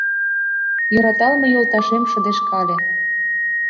Йӧраталме йолташем шыдешкале